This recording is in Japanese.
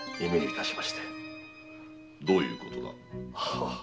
どういうことだ？